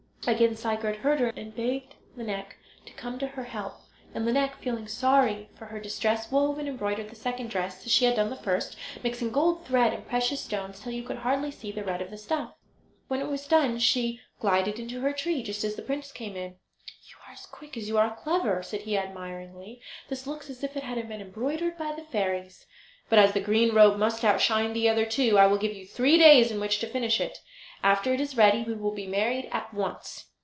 Again Sigurd heard her, and begged Lineik to come to her help, and Lineik, feeling sorry for her distress, wove and embroidered the second dress as she had done the first, mixing gold thread and precious stones till you could hardly see the red of the stuff. When it was done she glided into her tree just as the prince came in. "You are as quick as you are clever," said he, admiringly. "This looks as if it had been embroidered by the fairies! But as the green robe must outshine the other two I will give you three days in which to finish it. After it is ready we will be married at once."